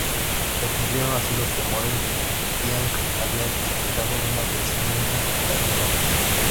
Se cumplieron así los temores que Liang había expresado una decena de años antes.